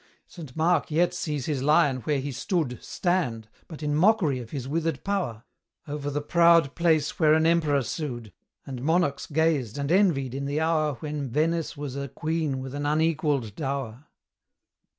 St. Mark yet sees his lion where he stood Stand, but in mockery of his withered power, Over the proud place where an Emperor sued, And monarchs gazed and envied in the hour When Venice was a queen with an unequalled dower.